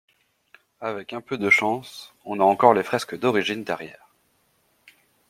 Avec un peu de chance, on a encore les fresques d'origine derrière.